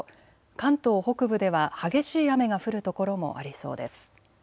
関東北部では激しい雨が降る所もありそうです。